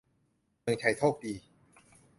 เมืองไทยโชคดี